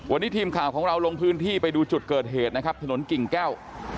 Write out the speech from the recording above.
วันนี้ทีมข่าวของเราลงพื้นที่ไปดูจุดเกิดเหตุนะครับถนนกิ่งแก้ว